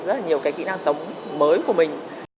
rất là nhiều kỹ năng sống mới của mình